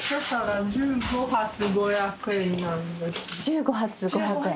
１５発５００円。